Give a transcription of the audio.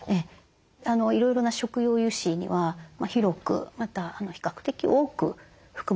いろいろな食用油脂には広くまた比較的多く含まれているんですね。